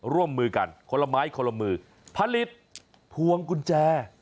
ร่วมมือกันคนละไม้คนละมือผลิตพวงกุญแจ